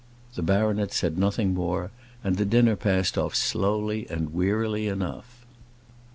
The baronet said nothing more, and the dinner passed off slowly and wearily enough.